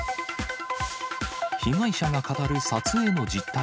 被害者が語る撮影の実態。